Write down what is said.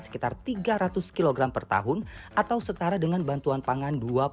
sekitar tiga ratus kg per tahun atau setara dengan bantuan pangan